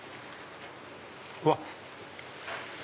うわっ！